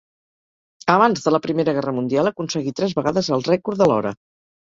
Abans de la Primera Guerra Mundial aconseguí tres vegades el rècord de l'hora.